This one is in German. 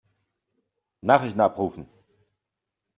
Nachrichten abrufen.